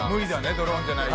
ドローンじゃないと」